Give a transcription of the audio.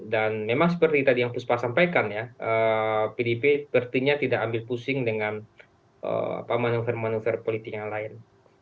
dan memang seperti tadi yang puspa sampaikan pdip sepertinya tidak ambil pusing dengan manuver manuver politik yang lain